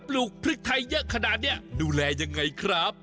ลูกพริกไทยเยอะขนาดนี้ดูแลยังไงครับ